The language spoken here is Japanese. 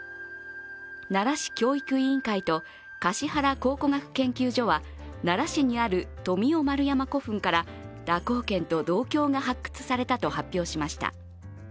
奈良市教育委員会と橿原考古学研究所は奈良市にある富雄丸山古墳から蛇行剣と銅鏡が発掘されたと発表しました。